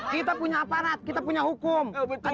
kita punya aparat kita punya hukum